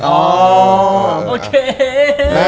โอเค